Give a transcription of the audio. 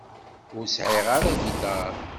Ur sεiɣ ara agiṭar.